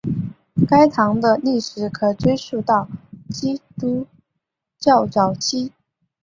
该堂的历史可追溯到基督教早期。